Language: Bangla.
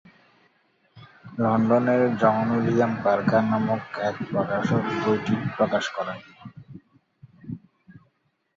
লন্ডনের জন উইলিয়াম পার্কার নামক এক প্রকাশক বইটি প্রকাশ করেন।